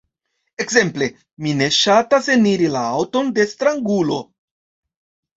Ekzemple: mi ne ŝatas eniri la aŭton de strangulo.